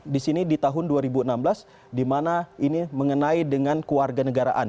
di sini di tahun dua ribu enam belas di mana ini mengenai dengan keluarga negaraan